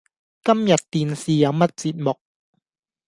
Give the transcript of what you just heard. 今日電視有乜節目？